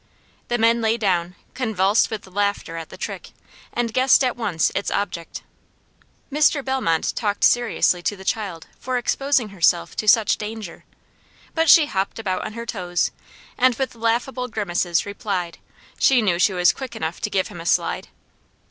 The men lay down, convulsed with laughter at the trick, and guessed at once its object. Mr. Bellmont talked seriously to the child for exposing herself to such danger; but she hopped about on her toes, and with laughable grimaces replied, she knew she was quick enough to "give him a slide."